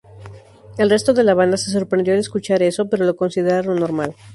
El resto de la banda se sorprendió al escuchar eso, pero lo consideraron normal.